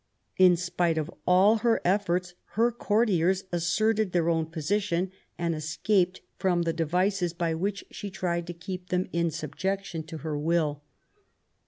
In spite of all her efforts her courtiers asserted their own position and escaped from the devices by which she tried to keep them in subjection to her will.